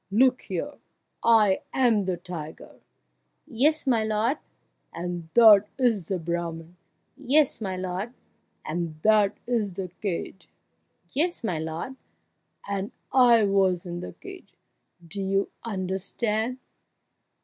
Look here I am the tiger " "Yes, my lord!" "And that is the Brahman " "Yes, my lord!" "And that is the cage " "Yes, my lord!" "And I was in the cage do you understand?"